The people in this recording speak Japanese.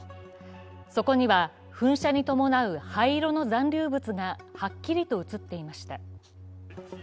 そこには噴射に伴う灰色の残留物がはっきりと映っていました。